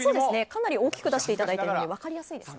かなり大きく出していただいているので分かりやすいですね。